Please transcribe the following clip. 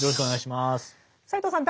斎藤さん